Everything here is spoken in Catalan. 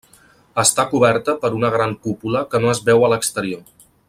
Està coberta per una gran cúpula que no es veu a l'exterior.